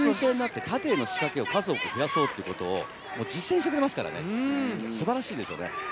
縦への仕掛けを増やそうというところを実践してくれますから素晴らしいですよね。